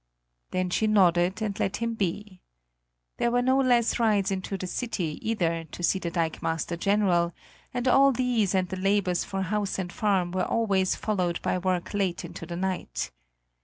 Then she nodded and let him be. There were no less rides into the city, either, to see the dikemaster general, and all these and the labors for house and farm were always followed by work late into the night.